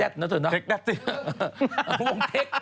จากกระแสของละครกรุเปสันนิวาสนะฮะ